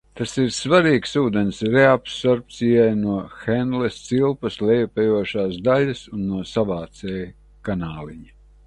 Tas ir svarīgs ūdens reabsorbcijai no Henles cilpas lejupejošās daļas un no savācējkanāliņa.